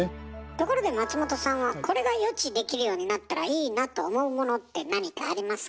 ところで松本さんはこれが予知できるようになったらいいなと思うものって何かありますか？